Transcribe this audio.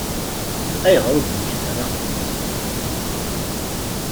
Ayɣer ur d-temmekta ara?